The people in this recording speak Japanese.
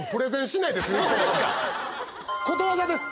ことわざです。